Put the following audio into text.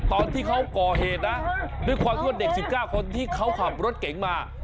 ตอนที่เขาก่อเหตุนะด้วยความที่ว่าเด็ก๑๙คนที่เขาขับรถเก๋งมา